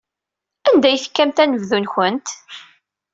Anda ay tekkamt anebdu-nwent?